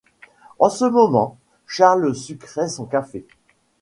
En ce moment, Charles sucrait son café.